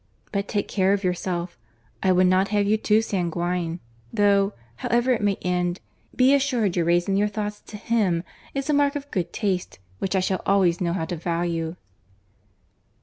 But take care of yourself. I would not have you too sanguine; though, however it may end, be assured your raising your thoughts to him, is a mark of good taste which I shall always know how to value."